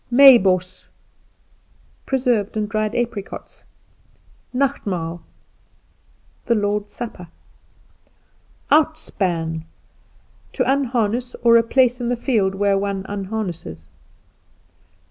Meiboss Preserved and dried apricots. Nachtmaal The Lord's Supper. Oom Uncle. Outspan To unharness, or a place in the field where one unharnesses.